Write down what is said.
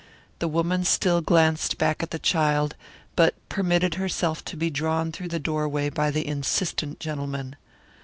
The woman still glanced back at the child, but permitted herself to be drawn through the doorway by the insistent gentleman.